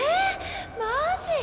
マジ？